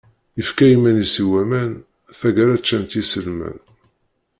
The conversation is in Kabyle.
Yefka iman-is i waman, taggara ččan-t yiselman.